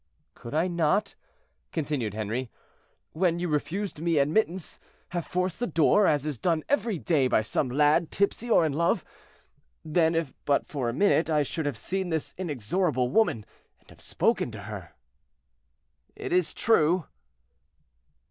"Could I not," continued Henri, "when you refused me admittance, have forced the door, as is done every day by some lad, tipsy, or in love? Then, if but for a minute, I should have seen this inexorable woman, and have spoken to her." "It is true."